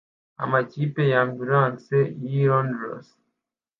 Amapikipiki ya ambulance y'i Londres